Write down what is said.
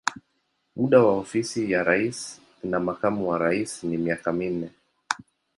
Muda wa ofisi ya rais na makamu wa rais ni miaka minne.